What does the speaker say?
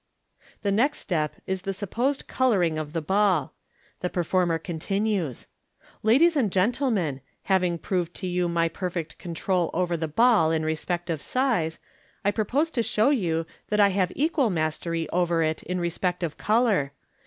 The next step is the supposed colouring of the ball. The per former continues, " Ladies and gentlemen, having proved to you my perfect control over the ball in respect of size, I propose to show you that I have equal mastery over it in respect of colour.